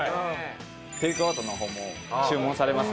テイクアウトの方も注文されます。